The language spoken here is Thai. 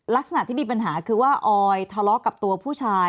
ลักษณะที่มีปัญหาคือว่าออยทะเลาะกับตัวผู้ชาย